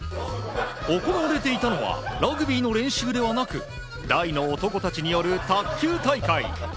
行われていたのは、ラグビーの練習ではなく、大の男たちによる卓球大会。